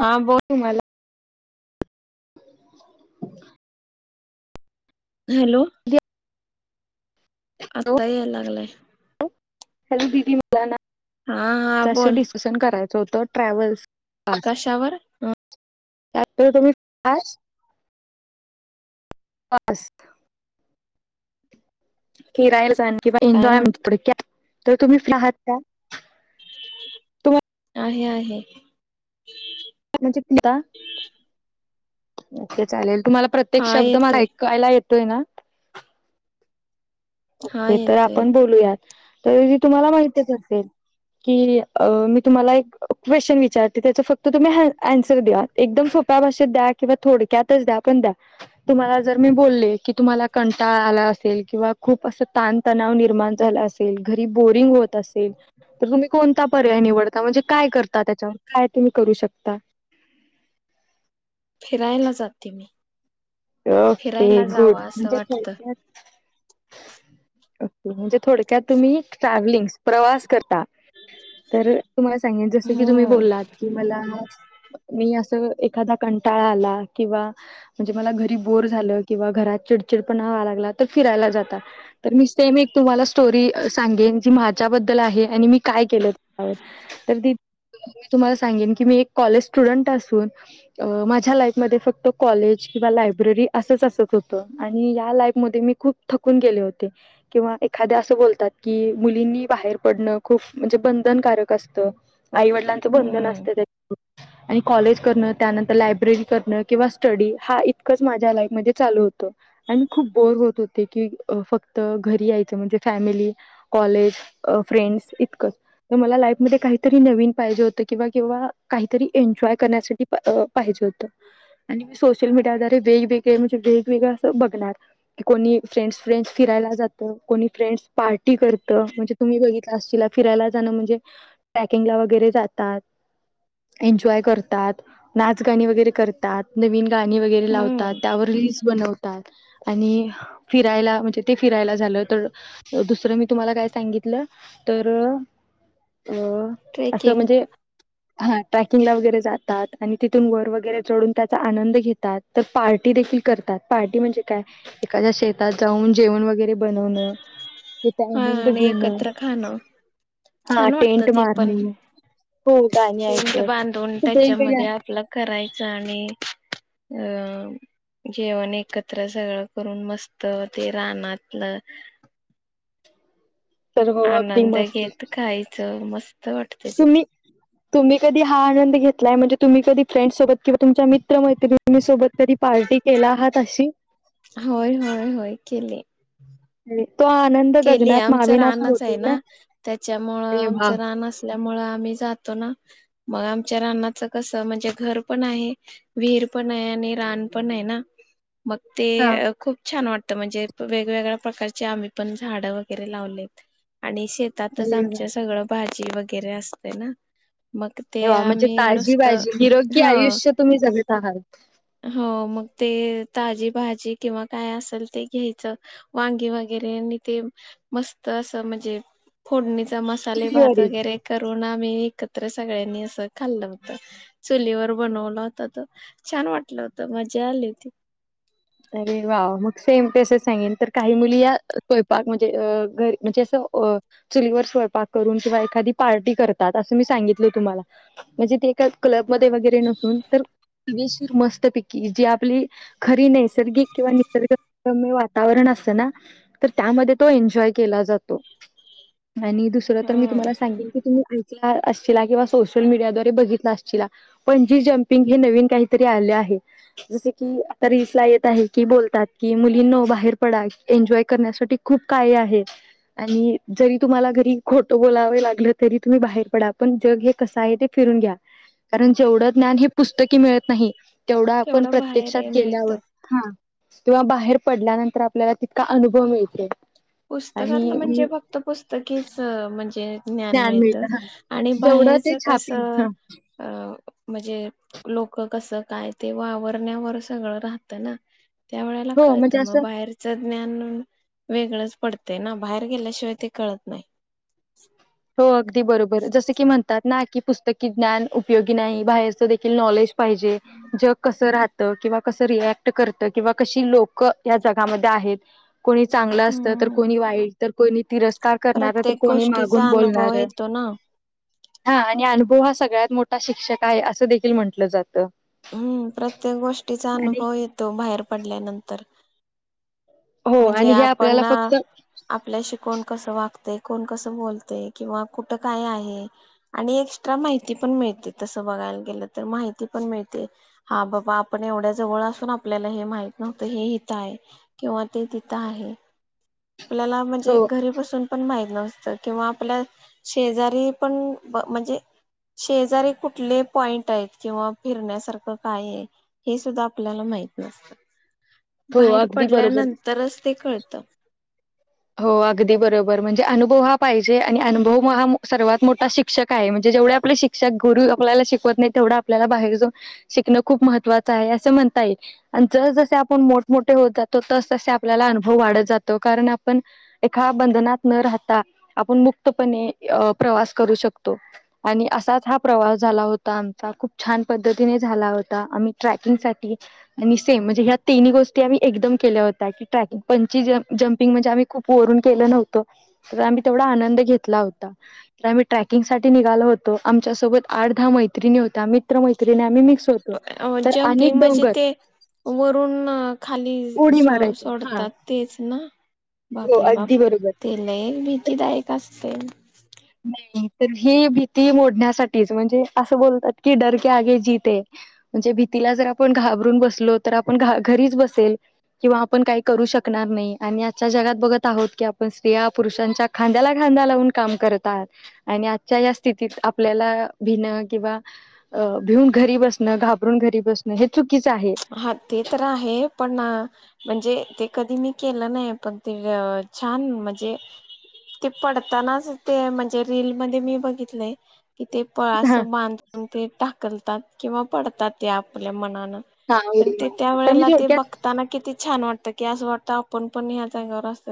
हा बोल तुम्हाला [unintelligible] हॅलो! आता याय लागलाय. हॅलो दिदी मला ना हा हा ज बोल डिसकशन करायचं होतं. ट्रॅव्हल्स कशावर ह त्याप तुमही [inaudible] फिरायला जा किवा एन्जॉय म्हण तर तुम्ही फ्री आहात का? तुम्हाला आहे. आहे. अच्छ चालेल. तुम्हाला प्रत्येक हा शब्द म येतोय ऐकायला येत तोय ना? हा तर येतोय आपण येतोय बोलूयात तर हि तुम्हाला माहितीचं असेल. की मी तुम्हाला एक क्वेशन विचारते त्याचं फक्त तुम्ही अँन्सर दया. एकदम सोप्प त्या भाषेत दया किंवा थोडक्यातच दया पण दया. तुम्हांला जर मी बोल्ले कि तुम्हाला कंटाळा आलाय असेल किंवा खूप असं ताणतणाव निर्माण झाला असेल, घरी बोरिंग होत असेल, तर तुम्ही कोणता पर्याय निवडता म्हणजे काय करता त्याच्यावर काय तुम्ही करू शकता? फिरायला जाते मी. ओके फिरायला गुड. जावं असं म्हणजे वाटतं के म्हणजे थोडक्यात तुम्ही ट्रॅव्हलिंगस, प्रवास करता. तर तुम्हाला सांगेन जसं की तुम्ही हम्म बोललात की मला मी असं एखादा कंटाळा आला किंवा म्हणजे मला घरी बोर झालं किंवा घरात चिडचिड पणा व्हाय लागला तर फिराय ला जाता तर मीस नेहमी तुम्हाला स्टोरी सांगेन जी माझ्याबद्दल आहे आणि मी काय केलं त्याच्यावर तर ती मी तुम्हाला सांगेन की मी एक कॉलेज स्टुडंट असून माझ्या लाईफमध्ये फक्त कॉलेज [inaudible] री असचं असत होतं आणि यालाई मध्ये मी खूप थकून गेले होते किंवा एखाध्या असं बोलतात की मुलींनी बाहेर पडणं खूप म्हणजे बंधनकारक असतं आईवडिलांचं बंधन हम्म असतं त्या आणि कॉलेज करणं, त्यानंतर लायब्ररी करणं किंवा स्टडी हा चं माझ्या लाईफ मध्ये चालू होतं आणि मी खूप बोर होत होते की फक्त घरी यायच म्हणजे फॅमिली, कॉलेज, फ्रेंडस इतकं तर मला लाईफमध्ये काहीतरी नवीन पाहिजे हो किंवा काहीतरी एन्जॉय करण्यासाठी अ पाहिजे होतं आणि सोशल मिडिया [inaudible] कुणी फ्रेंड्स फ्रेंड्स फिरायला जातंय पार्टी करतं, म्हणजे तुम्ही बगितला असशीला फिरायला जाणं म्हणजे ट्रेकिंगला वैगरे जातात जॉय करतात, नाच-गाणी वैगरे करतात, नविन गाणी वगैरे लावतात, हम्म त्यावर रील्स बनव आणि फिरायला म्हणजे ते फिरायला झालं तर दुसरं मी तुम्हाला काय सांगि तर अ असं ट्रेकिंग म्हणजे हा ट्रॅकिंगला वगैरे जातात आणि तिथून वर वगैरे चढून त्याचा आनंद घेतात. तर पार्टी देखील करतात. पार्टी म्हणजे काय? एखाद्या शेतात जाऊन जेवण वगैरे बनवणं तिथं हा आनंद आणि घेणं. एकत्र खाणं हा टेंट मारणे. हो गाणी टेंन्ट ऐकत बांधून खूप वेगवेगळे त्याच्यामध्ये आहेत आपलं करायचं आणि अ जेवण एकत्र सगळं करून मस्त होते रानातलं तर हो अगदी आनंद मस्त घेत खायच मस्त वाटत ते तुम्ही तुम्ही कधी आंदन घेतलाय म्हणजे? तुम्ही कधी फ्रेडसोबतिंवा तुमच्या मित्र मैत तु्ही सोत तरी प केला आहात अशी होय होय होय केले [unintelligible] केलीय गगनात आमचं मावेनासा रानच आहे होतो ना त्याच्यामुंळ अरे वा आमच रान असल्यामुळे आम्ही जातो ना मग आमच्या रानाचं कसं म्हणजे घर पण आहे विहीर पण आहे आणि रान पण आहे ना मग हा ते खूप छान वाटतं म्हणजे वेगवेगळ्या प्रकारचे आम्ही पण झाड वगैरे लावलेत आणि शेतातच अरे वा. आमच्या सगळं भाज वगैरे असते ना, मग अरे ते वा म्हणजे आम्ही ताजी नुसतं बाजी निरोगी ह आयुष्य तुम्ही जगत आहात हो मग ते ताजी भाजी किंवा काय असेल ते घ्यायचं वांगी वगैरे ते मस्त अस म्हणजे फोडणी चा मसाला भात तुझीवरील वैगरे कर मी एकत्र सगळ्यांनी अस खाल्लं होत चुलीवर बनवलं होत छान वाट होता मज्या आली होती अरे वा मग सेम तसच सांगेन तर काही मुली या स्वयंपाक म्हणजे घरी म्हणजे असं चुवर स्वयकून क एखा पार्टी करतात अस मी सांगित तुम्हाला म्हण एका क्लबमध्येध्ये वगैरे नसून तरेशीर मस्त पिक जी आपली खरी नाही नैसर्गिक किंवा निसर्ग कमी वातावरण असत ना तर त्यामध्ये तो एन्जॉय केला जातो आणि दुसरं तर मी हम्म. तुम्हाला सागेल की तुम्ही किंवा सोशल मीडियाद्वारे बघितलाश पण जी जमपिंग हे नवीन काहीतरी आले आहे [inaudible] एन्जॉय करण्यासाठी खूप काही आहे आणि जरी तुम्हाला घरी खोटो बोलाववे लागलं तरी तुम्ही बाहेर पडा पण जग हे कस आहे ते फिरून घ्या कारण जेवढं ज्ञान हे पुस्तकी मिळत नाही तेवढं आपण बाहेर प्रत्यक्षात हे मिळतं. गेल्यावरत किंवा बाहेर पडल्यानंतर आपल्याला तितका अनुभव मिळत पुस्तकातलं म्हणजे फक्त पुस्तकीेच म्हणजे ज्ञान मिळत आणि जेवढं बाहेरच ते छापील कसं हा अ म्हणजे लोक कसं काय ते वावरण्यावर सगळं राहत ना त्या वेळेला हो म्हणजे कळतं मग असं बाहेरचं ज्ञान वेगळंच पडतना बाहेर गेल्याशिवाय ते कळत नाही हो अगदी बरोबर जसं की म्हणतात ना की पुस्तकी ज्ञान उपयोगी नाही बाहेरचं देखील नॉलेज [inaudible] किंवा कस रिक्ट करत किंवा कशी लोक या जगामध्ये आहेत कोणी चांगलं असत तर हम्म. कोणी वाईट तर कोणी तिरस्कार करणार तर कोणी माग चा अनुभव येतो ना हा आणि अनुभव हा सगळ्यात मोठा शिक्षक आहे असं देखील म्हंटलं जातं हम्म प्रत्येक गोष्टीचा आणि अनुभव येतो बाहेर पडल्यानंतर हो म्हणजे आणि हे आपल्याला आपण फक्त आपल्या शिकवण कस वागतेय कोण कसं बोलतय किंवा कुठ काय आहे आणि एक्स्ट्रा माहिती पण मिळते तसं बघा [inaudible] आहे किंवा ते तिथ आहे आपल्याला म्हणजे हो घरी बसून पण माहित नव्हत किंवा आपल्या शेजारी पण म्हणजे शेजारी कुठले पॉईंट आहेत किंवा फिरण्यासारखं काय आहे हे सुद्धा आपल्याला माहि हो बाहेर अगदी बरोबर पडल्यानंतरच ते कळत हो अगदी बरोबर म्हणजे अनुभव हा पाहिजे आणि अनुभव हा सर्वात मोठा शिक्षक आहे म्हणजे जेव आप शषक गर आपल्याला शिकवत नाही तेवढ आपल्याला बाहेर जा शिकण खूप महत्वाचं आहे अस आप जात आपल्या अु वात जातोण पण एका बंधनात न राहता आपण मुक्तपणे प्रवास करू शकतो आणि असाच हा प्रवास झाला होता आमचा खूप छान पद्धतीने झाला होता आम्ही ट्रॅकिंग सा आणि सेम म्हणजे ह्या तिनही गोष्टी आम्ही एकदम केल्या होत्या की ट्रॅकिंग पं जप [inaudible] ठी निघाल होतो आमच्या सोबत आठ दहा मैत्रिणी होत्या आम् ्र मैत्रिणी आम्ही मिक्स होतो तर आणि जम्पिंग म्हणजे डोंगर ते वरून खाली उडी मारायचे हा सोडतात तेच ना हो बापरे बाप अगदी बरोबर ते लय भीतीदायक असते नाही तर ही भीती मोडण्यासाठीच म्हणजे असं बोलतात की डरके आगे जिते म्हण भीलार आपण घाबून बलो तर आप घरीच बल किंवा आप का करू श शकणार नाही आणि आजच्या जगात बघत आहोत की आपण स्त्रिया पुरुषांच्या खांद्याला खांदा लावून काम करत आणि आजच्या या स्थितीत आपल्याला भिन किंवा अ भिऊन घरी बसणं घाबरून घरी बसणं हे चुकीचं आहे हा ते तर आहे पण म्हणजे ते कधी मी केलं नाही पण त छान म्हणजे ते पडतानाच ते म्हणजे रीलील मध्ये मी बघितलंय कि ते पळस हा बांधून ते टाकलतात किंवा पडतात ते आपल्या मनानं हा पण उडी ते त्या मारतात तर मी वेळेला ते थोडक्यात बघताना किती छान वाटत गॅस वाटत आपण पण याचा घर असत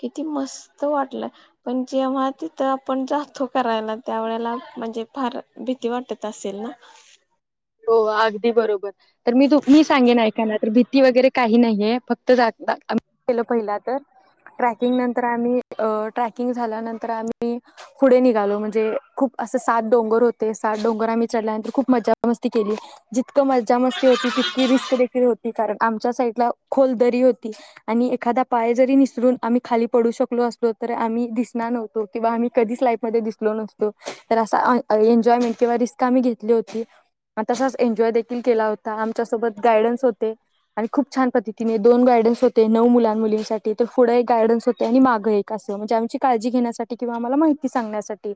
किती मस्त वाटलं पण जेव्हा ते तर आपण जातो करायला त्या वेळेला म्हणजे फार भीती वाटते त असेल ना हो अगदी बरोबर तर मी तू मी सांगेन ऐकाना तर भीती वगैरे काही नाहीये फक्त जात म्ही केलं पहिला तर ट्रॅकिंग नंतर आम्ही ट्रॅकिंग झाल्यानंतर आम्ही पुढे निघालो म्हणजे खूप असे सात डोंगर होते सात डोंगर आमही चढल्यानंतर खूप मजा म केली जितक मजा मस्ती होती तितकी रिस्क देखील होती कारण आमच्या साईडला खोलरी आणि एखादा पाय जरी निसरून आम्ही खाली पडू शकलो असलो तर आम्ही दिसणार नव्हतो किंवा आम्ही कधीच लाईफमध्येध्ये दिसलो नसतो तर असा एन्जॉयमेंट किंवा रिस्क आम्ही घेतली होती मग तसाच एन्जॉय देखील केला होता आमच्यासोबत गायडन्स होते आणि खूप छान पद्धतीने दोन गायडन्स होते नऊ मुलां मुलींसाठी तर पुढं एक गायडन्स होते आणि मागं एक अस म्हणजे आमची काळजी घेण्यासाठी किंवा आम्हाला माहिती सांगण्यासाठी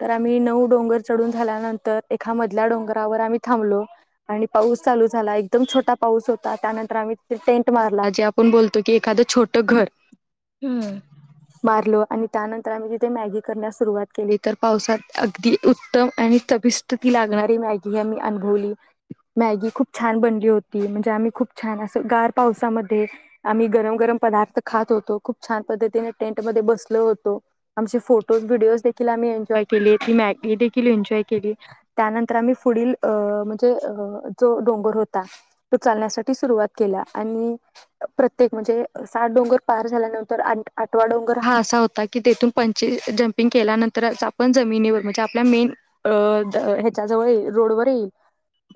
तर आम्ही नऊ डोंगर चढून झाल्यानंतर एका मधल्या डोंगरावर आम्ही थांबलो आणि पाऊस चालू झाला एकदम छोटा पाऊस होता त्यानंतर आम्ही तिथे टेंट मारला जे आपण बोलतो की एखा छोट घर हम्म मारल आणि त्यानंतर आम्ही तिथे मॅगी करण्यास सुरुवात केली तर पावसात अगदी उत्तम आणि तबिस्त ती लागणार ी ह मी अनुभवली मॅगी खूप छान बनली होती म्हणजे आम्ही खूप छान असं गार पावसामध्ये आम्ही गरम गरम पदार्थ ख होतो खूपछान पद्धतीने टेंट मध्ये बसल होतो आम फोटोज व्हिडिओ एॉ के केली त्यांतर तर आमही पुढील म्हणजे जो डोंगर होता तो चालण्यासाठी सुरुवात केला आणि प्रत्येक म्हणजे सात डोंगर पार झाल्यानंतर आठवा डोंगर हा असा होता क पं जपिंग केल्यानंतर आपण जमिनीवर म्हणजे आपल्या मेन त्याजवळ रोड वरही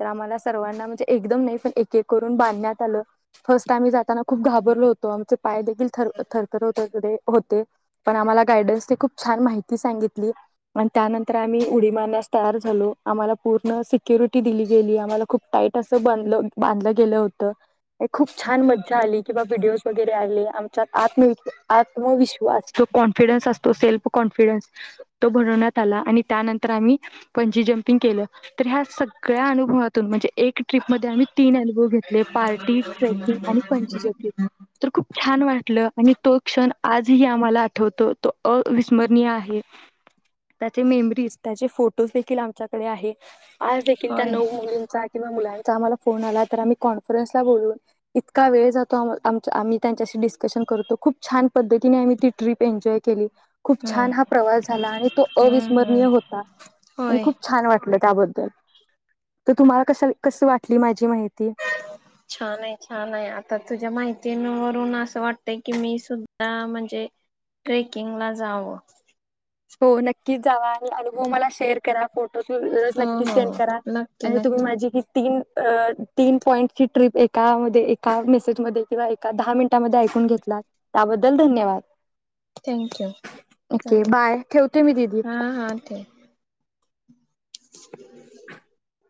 तर आम्हाला सर्वांना म्हणजे एकदम नाही पण एक एक करून बांधण्यात आलं फर्स्ट आम्ही जाताना खूप घाबर आ खूप छान माहिती सांगितली आणि त्यानंतर आम्ही उडी माण्यास तयार झालो आम्हाला पूर्ण सिक्युरिटी दिली गेली आम्हाला खूप टाईट असं बांधलं बांधलं गेलं होतं खूप छान मज्जा आली किंवा व्हिडिओज वगैरे आले आमच्या आत्म आत्मविश्वास जो कॉन्फिडन्स असतो सेल्फ कॉन्फिडन्स तो भनवण्यात आला आणि त्यानंतर पंचज के ह्या सगळ्या अनुभवातून म्हणजे एक ट्रिप मध्ये आम्ही तीन अनुव घ पार्टी ट्रेकिंग आणि पणजी जली तर खूप छान वाटलं आणि तो क्षण आजही आम्हाला आठवतो तो अविस्मरणीय आहे. त्याचे मेमरीज त्याचे फोटोज देखील आमच्याकडे आहे आज देखील त्या होय नऊ मुलींचा किंवा मुलांचा आम्हाला फोन आला तर आम्ही कॉन्फरन्सला बोलून इतका वेळ जातो आम आमही त्यांच्या डिस्कसन करतो खुप छान पढतीने आम्ही ती ट्रिप एन्जॉय केली खुप हम्म छान हा प्रवास झाला तो हम्म हम्म अविस्मरणीय होता. होय. त्याबद् तर तुम्हाला क कस वाट माझी माहिती. छान आहे छान आहे आता तुझ्या माहितीवरून असं वाटतय की मी सुद्धा म्हणजे ट्रेकिंगला जाव. हो नक्कीच जावा आणि अनुभव मला शेअर करा फोटो. त तज हो नक्कीच हो सेंड हो करा नक्की आणि तुम्ही नक्की माझी किती. तीन तीन पॉइंटची ट्रिप एकामध्ये एका मेसेजमध्ये किंवा एका दहा मिनिटामध्ये घेतला त्याबद्दल धन्यवाद. थँक यू ओके चाले बाय ठेवते मी दिदी. हा हा ठेव. [inaudible]